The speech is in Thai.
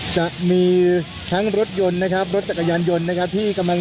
จะมีทั้งรถยนต์นะครับรถจักรยานยนต์นะครับที่กำลัง